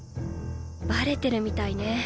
バレてるみたいね。